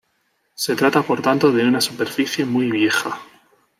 Se trata por tanto de una superficie muy vieja.